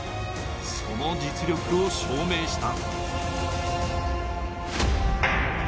その実力を証明した。